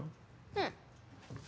うん。